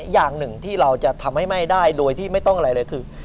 อย่างหนึ่งที่เราจะทำให้ไหม้ได้โดยที่ไม่ต้องอะไรเลยคือ